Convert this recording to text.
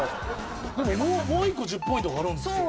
でももう１個１０ポイントがあるんですよ。